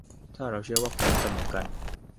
ถ้าเราเชื่อว่าคนนั้นเสมอกัน ?